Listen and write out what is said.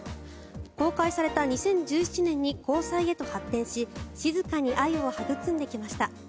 公開された２０１７年に交際へと発展し静かに愛を育んできました。